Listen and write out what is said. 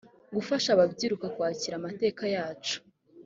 gufasha ababyiruka kwakira amateka yacu